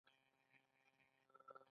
ایا زما ولاړه به ښه شي؟